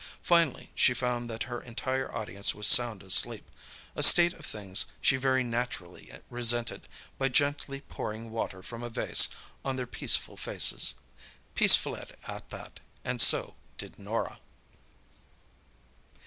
Finally she found that her entire audience was sound asleep, a state of things she very naturally resented by gently pouring water from a vase on their peaceful faces. Peace fled at that, and so did Norah.